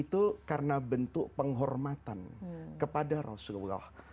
itu karena bentuk penghormatan kepada rasulullah